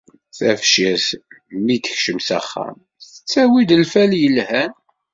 Tabcirt mi d-tekcem s axxam, tettawi-d lfal yelhan